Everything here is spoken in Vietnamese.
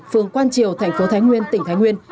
phường quang triều thành phố thái nguyên tỉnh thái nguyên